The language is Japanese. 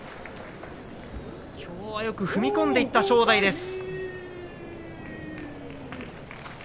きょうはよく踏み込んでいった正代です。